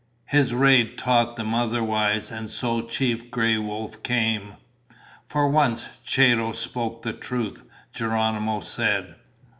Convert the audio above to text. His raid taught them otherwise, and so Chief Gray Wolf came." "For once, Chato spoke the truth," Geronimo said.